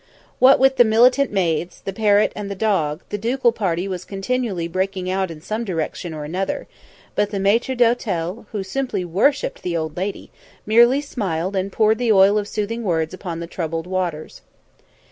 What with the militant maids, the parrot and the dog, the ducal party was continually breaking out in some direction or another, but the maître d'hôtel, who simply worshipped the old lady, merely smiled and poured the oil of soothing words upon the troubled waters.